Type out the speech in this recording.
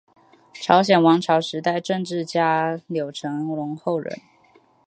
朝鲜王朝时代政治家柳成龙后人。